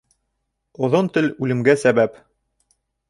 Оҙон тел үлемгә сәбәп.